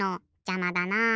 じゃまだな。